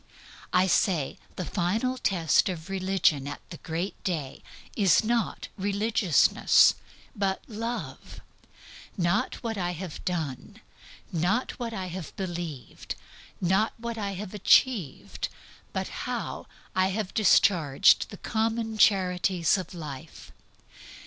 I say the final test of religion at that great Day is not religiousness, but Love; not what I have done, not what I have believed, not what I have achieved, but how I have discharged the common charities of life.